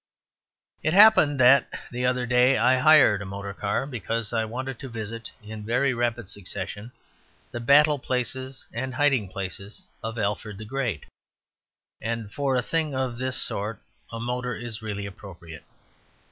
It happened that the other day I hired a motor car, because I wanted to visit in very rapid succession the battle places and hiding places of Alfred the Great; and for a thing of this sort a motor is really appropriate.